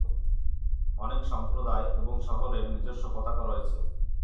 অনেক সম্প্রদায় এবং শহরের নিজস্ব পতাকা রয়েছে।